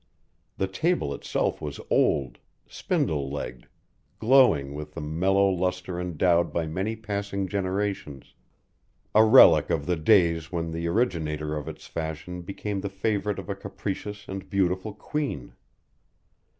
The table itself was old, spindle legged, glowing with the mellow luster endowed by many passing generations a relic of the days when the originator of its fashion became the favorite of a capricious and beautiful queen.